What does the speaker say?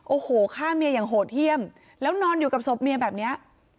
โอ้โหฆ่าเมียอย่างโหดเยี่ยมแล้วนอนอยู่กับศพเมียแบบนี้